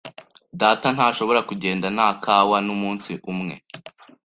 Data ntashobora kugenda nta kawa n'umunsi umwe.